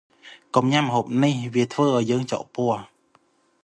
កុំញ៉ាំម្ហូបនេះ វាធ្វើឱ្យយើងចុកពោះ ។